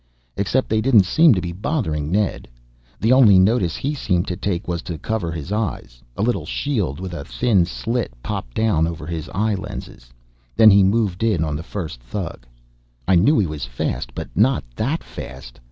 Except they didn't seem to be bothering Ned. The only notice he seemed to take was to cover his eyes. A little shield with a thin slit popped down over his eye lenses. Then he moved in on the first thug. I knew he was fast, but not that fast.